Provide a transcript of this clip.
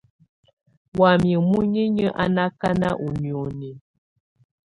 Wamɛ̀á muninyǝ́ á nà akanà ù nioni.